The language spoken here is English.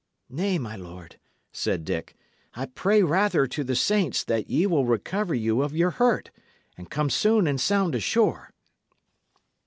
"Nay, my lord," said Dick, "I pray rather to the saints that ye will recover you of your hurt, and come soon and sound ashore."